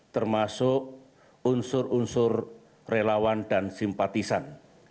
termasuk unsur unsur relawan dan simpatisan